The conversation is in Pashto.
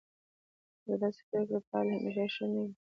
او د داسې پریکړو پایلې همیشه ښې نه وي.